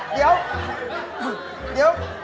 เดี๋ยวเดี๋ยว